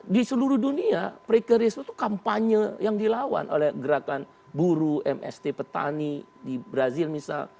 di seluruh dunia precaries itu kampanye yang dilawan oleh gerakan buruh mst petani di brazil misal